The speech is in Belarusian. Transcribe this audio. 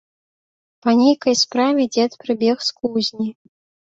Па нейкай справе дзед прыбег з кузні.